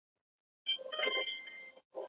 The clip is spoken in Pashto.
د غم او ښادۍ شریکول د ټولنیز ژوند برخه ده.